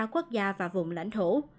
hai mươi ba quốc gia và vùng lãnh thổ